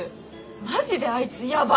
マジであいつやばい！